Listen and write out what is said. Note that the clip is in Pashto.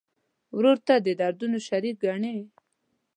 ورور ته د دردونو شریک ګڼې.